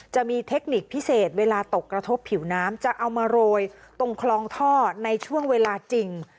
จะมีเทคนิคพิเศษเวลาตกกระทบผิวน้ำจะเอามาโรยตรงคลองท่อในช่วงเวลาจริง